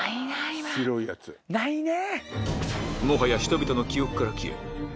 今ないね。